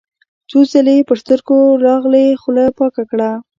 څو ځله يې پر سترګو لاغلې خوله پاکه کړه.